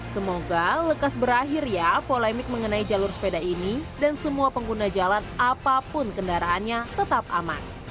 semoga lekas berakhir ya polemik mengenai jalur sepeda ini dan semua pengguna jalan apapun kendaraannya tetap aman